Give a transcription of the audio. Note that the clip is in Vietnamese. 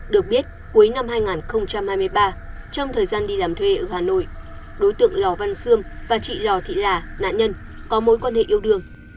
được biết cuối năm hai nghìn hai mươi ba trong thời gian đi làm thuê ở hà nội đối tượng lò văn xương và chị lò thị là nạn nhân có mối quan hệ yêu đương